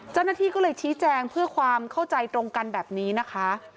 เจ้าหน้าที่ก็เลยชี้แจงเพื่อความเข้าใจตรงกันแบบนี้นะคะ